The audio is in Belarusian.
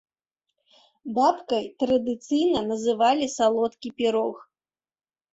Бабкай традыцыйна называлі салодкі пірог.